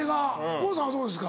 郷さんはどうですか？